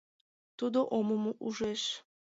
Тудо омым ужеш.